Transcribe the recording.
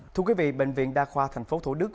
thưa quý vị bệnh viện đa khoa tp thủ đức